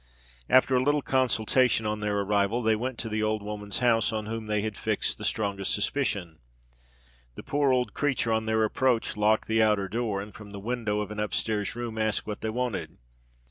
After a little consultation on their arrival, they went to the old woman's house on whom they had fixed the strongest suspicion. The poor old creature on their approach locked the outer door, and from the window of an upstairs room asked what they wanted.